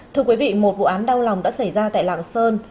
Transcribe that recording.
thưa quý vị một vụ án đau lòng đã xảy ra tại lạng sơn